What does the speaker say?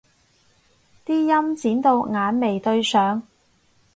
啲陰剪到眼眉對上